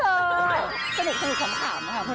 สนุกค้ำนะคะเพราะรู้ว่าเพื่อนก็แซวว่าเขาน่ารักอ่ะอย่างเงี้ย